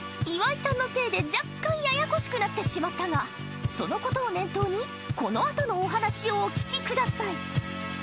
岩井さんのせいで若干ややこしくなってしまったがそのことを念頭にこのあとのお話をお聞きください